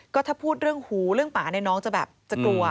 ก็ถ้าพูดเรื่องหูเรื่องหมาน้องจะกลัว